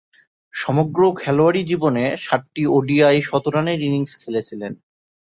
সমগ্র খেলোয়াড়ী জীবনে সাতটি ওডিআই শতরানের ইনিংস খেলেছিলেন।